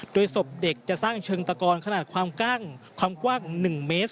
โดยศพเด็กจะสร้างเชิงตะกอนขนาดความกว้าง๑เมตร